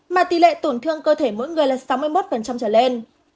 mà tỷ lệ tổn thương cơ thể mỗi người là sáu mươi một trở lên